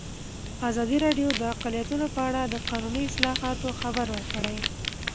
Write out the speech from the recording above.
ازادي راډیو د اقلیتونه په اړه د قانوني اصلاحاتو خبر ورکړی.